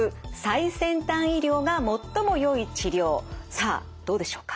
さあどうでしょうか？